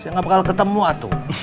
ya nggak bakal ketemu atuh